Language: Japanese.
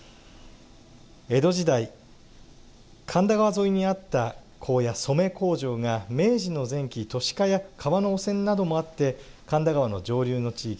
江戸時代神田川沿いにあった紺屋・染め工場が明治の前期都市化や川の汚染などもあって神田川の上流の地域